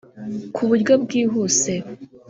ku buryo bwihuse